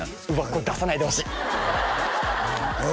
これ出さないでほしいああ